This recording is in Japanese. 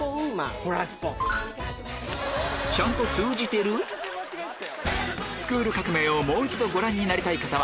ホラースポット！ちゃんと通じてる⁉『スクール革命！』をもう一度ご覧になりたい方は